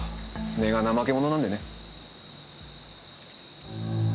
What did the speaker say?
根が怠け者なんでね。